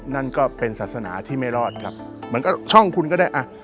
นั่นก็เป็นศาสนาที่ไม่รอดครับมันก็ช่องคุณก็ได้อ่ะ